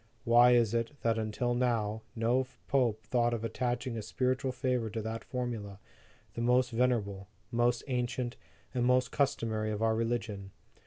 Why is it, that until now, no Pope thought of attaching a spiritual favor to that formula, the most venerable, most ancient, and most customary of our religion?